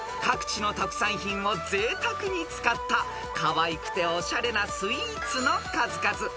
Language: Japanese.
［各地の特産品をぜいたくに使ったかわいくておしゃれなスイーツの数々］